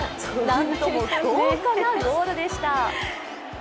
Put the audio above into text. なんとも豪華なゴールでした。